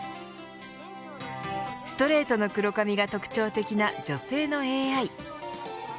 ストレートの黒髪が特徴的な女性のＡＩ。